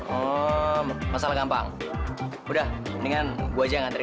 oh masalah gampang udah mendingan gua aja yang ngaterin dia